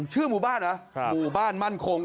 ชื่อหมู่บ้านเหรอหมู่บ้านมั่นคง